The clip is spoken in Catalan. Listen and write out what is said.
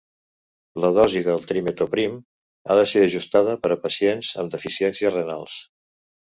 La dosi del trimetoprim ha de ser ajustada per a pacients amb deficiències renals.